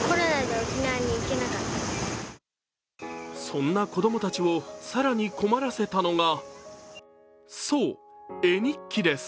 そんな子供たちを更に困らせたのがそう、絵日記です。